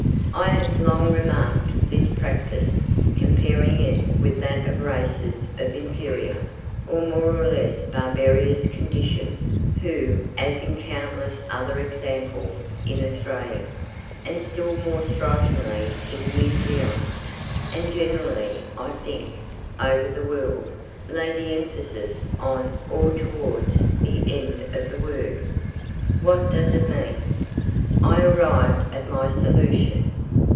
I have long remarked this practice, comparing it with that of races of inferior, or more or less barbarous condition, who, as in countless other examples in Australia, and still more strikingly in New Zealand, and generally, I think, over the world, lay the emphasis on or towards the end of the word. What does it mean? I arrived at my solution.